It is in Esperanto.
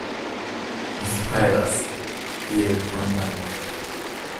Mi suferas, kiel kondamnito.